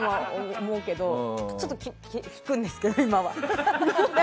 ちょっと引くんですけど、今は。